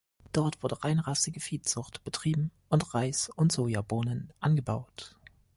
Dort wurde reinrassige Viehzucht betrieben und Reis und Sojabohnen angebaut.